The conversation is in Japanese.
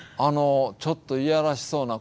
ちょっといやらしそうな。